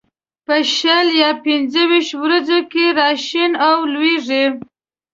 په شل یا پنځه ويشتو ورځو کې را شین او لوېږي.